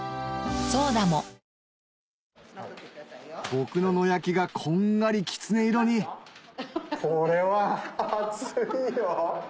僕の野焼きがこんがりきつね色にこれは熱いよ。